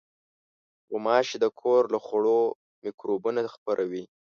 غوماشې د کور له خوړو مکروبونه خپروي.